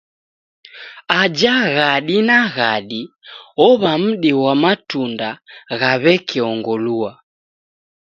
Aja ghadi na ghadi owa mdi ghwa matunda gha weke ongolua.